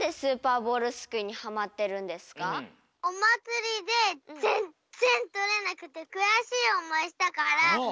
おまつりでぜんぜんとれなくてくやしいおもいしたからえ？